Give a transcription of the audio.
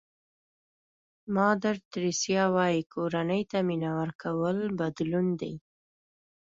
مادر تریسیا وایي کورنۍ ته مینه ورکول بدلون دی.